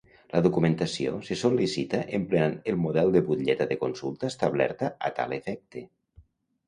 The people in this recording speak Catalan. La documentació se sol·licita emplenant el model de butlleta de consulta establerta a tal efecte.